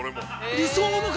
◆理想の形？